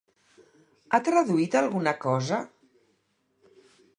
Ha traduït alguna cosa?